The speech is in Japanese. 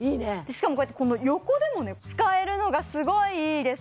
しかもこうやって横でも使えるのがすごいいいです